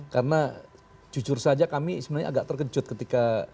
karena jujur saja kami sebenarnya agak terkejut ketika